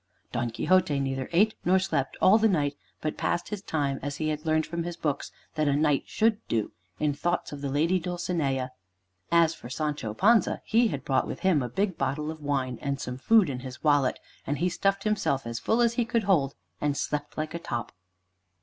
Don Quixote neither ate nor slept all the night, but passed his time, as he had learned from his books that a knight should do, in thoughts of the Lady Dulcinea. As for Sancho Panza, he had brought with him a big bottle of wine, and some food in his wallet, and he stuffed himself as full as he could hold, and slept like a top.